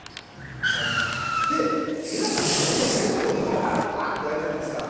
で皆さん割と麺棒でこうバンバンってやるじゃないですか。